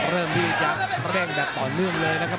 เริ่มที่จะเร่งแบบต่อเนื่องเลยนะครับ